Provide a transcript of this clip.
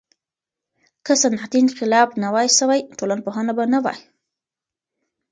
که صنعتي انقلاب نه وای سوی، ټولنپوهنه به نه وای.